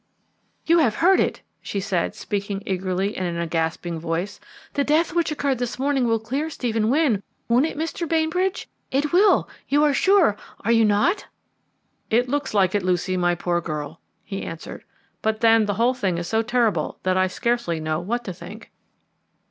"You have heard it?" she said, speaking eagerly and in a gasping voice. "The death which occurred this morning will clear Stephen Wynne, won't it, Mr. Bainbridge? it will, you are sure, are you not?" "It looks like it, Lucy, my poor girl," he answered. "But there, the whole thing is so terrible that I scarcely know what to think."